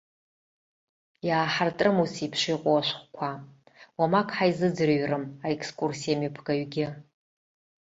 Иааҳартрым усеиԥш иҟоу ашәҟәқәа, уамак ҳаизыӡырҩрым аекскурсиа мҩаԥгаҩгьы.